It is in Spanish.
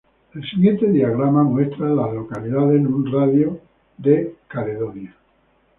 El siguiente diagrama muestra a las localidades en un radio de de Caledonia.